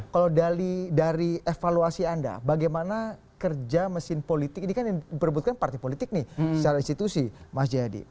kalau dari evaluasi anda bagaimana kerja mesin politik ini kan yang diperbutkan partai politik nih secara institusi mas jayadi